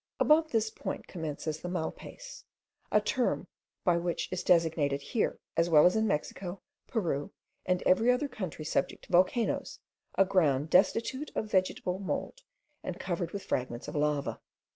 Above this point commences the Malpays, a term by which is designated here, as well as in Mexico, Peru, and every other country subject to volcanoes, a ground destitute of vegetable mould, and covered with fragments of lava.